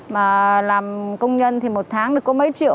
mà làm công nhân thì một tháng là có mấy triệu